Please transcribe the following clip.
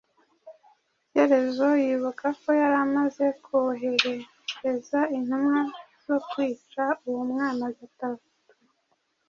Shyerezo yibuka ko yari amaze kwohereza intumwa zo kwica uwo mwana gatatu,